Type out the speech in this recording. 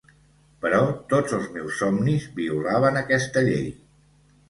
Però tots els meus somnis violaven aquesta llei.